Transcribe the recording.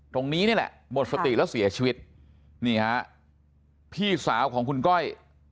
ตรงนี้นี่แหละหมดสติแล้วเสียชีวิตนี่ฮะพี่สาวของคุณก้อย